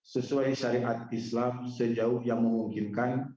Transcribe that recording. sesuai syariat islam sejauh yang memungkinkan